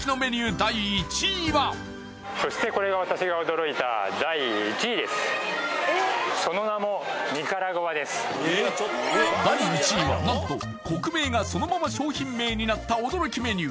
第１位はそしてこれが第１位は何と国名がそのまま商品名になった驚きメニュー